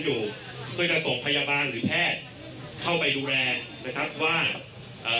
อยู่เพื่อจะส่งพยาบาลหรือแพทย์เข้าไปดูแลนะครับว่าเอ่อ